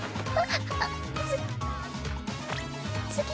あっ。